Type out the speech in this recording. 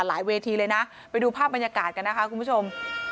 เวทีเลยนะไปดูภาพบรรยากาศกันนะคะคุณผู้ชม